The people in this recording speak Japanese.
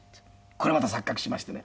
これまた錯覚しましてね。